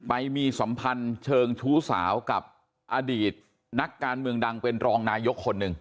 ไปมีสัมพันธ์เชิงชู้สาวกับอดีตนักการเมืองดังเป็นรองนายกคนหนึ่ง